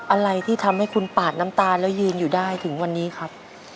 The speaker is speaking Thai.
อะไรที่ทำให้คุณปาดน้ำตาแล้วยืนอยู่ได้ถึงวันนี้ครับ